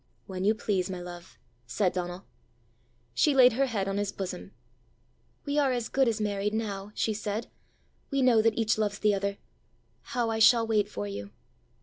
"When you please, my love," said Donal. She laid her head on his bosom. "We are as good as married now," she said: "we know that each loves the other! How I shall wait for you!